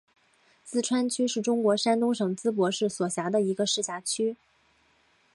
淄川区是中国山东省淄博市所辖的一个市辖区。